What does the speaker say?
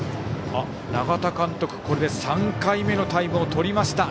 永田監督、これで３回目のタイムを取りました。